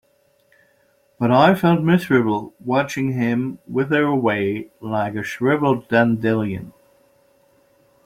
But I felt miserable watching him wither away like a shriveled dandelion.